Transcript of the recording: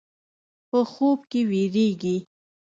په خوب کې وېرېږي.